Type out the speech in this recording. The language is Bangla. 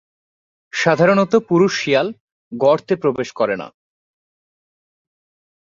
সাধারনত পুরুষ শিয়াল গর্তে প্রবেশ করে না।